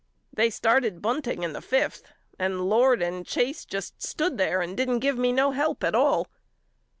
They started bunting in the fifth and Lord and Chase just stood there and didn't give me no help at all.